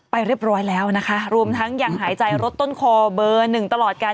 ไปเรียบร้อยแล้วนะคะรวมทั้งยังหายใจรถต้นคอเบอร์หนึ่งตลอดกัน